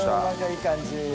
いい感じ。